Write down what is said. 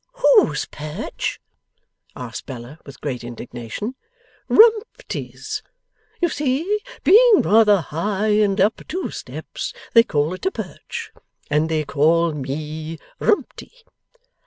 'Whose Perch?' asked Bella with great indignation. 'Rumty's. You see, being rather high and up two steps they call it a Perch. And they call ME Rumty.